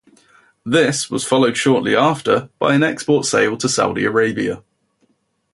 This was followed shortly after by an export sale to Saudi Arabia.